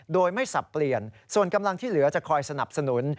โดยไม่สับเปลี่ยนส่วนกำลังที่เหลือจะคอยสนับสนุน